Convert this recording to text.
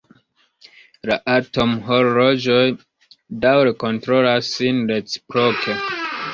La atomhorloĝoj daŭre kontrolas sin reciproke.